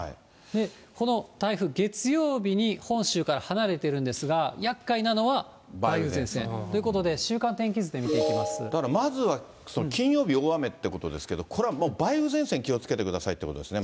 この台風、月曜日に本州から離れているんですが、やっかいなのは、梅雨前線ということで、だからまずは、その金曜日、大雨ということですけれども、これはもう梅雨前線気をつけてくださいってことですね。